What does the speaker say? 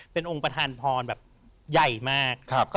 เป็นองค์ประธานพรแบบใหญ่มาก